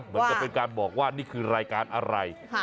เหมือนกับเป็นการบอกว่านี่คือรายการอะไร